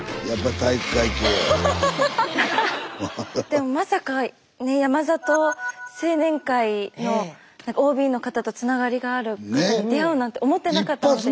でもまさかねえ山里青年会のＯＢの方とつながりがある方に出会うなんて思ってなかったので。